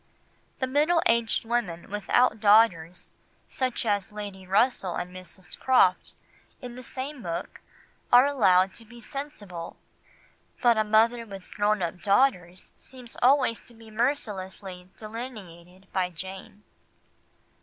The middle aged women without daughters, such as Lady Russell and Mrs. Croft, in the same book, are allowed to be sensible, but a mother with grown up daughters seems always to be mercilessly delineated by Jane.